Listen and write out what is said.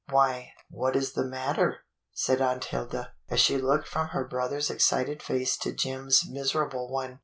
"Why, what is the matter.^" said Aunt Hilda, as she looked from her brother's excited face to Jim's miserable one.